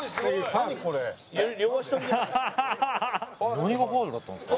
何がファウルだったんですか？